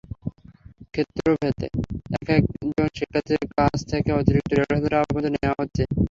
ক্ষেত্রভেদে একেকজন শিক্ষার্থীর কাছ থেকে অতিরিক্ত দেড় হাজার টাকা পর্যন্ত নেওয়া হচ্ছে।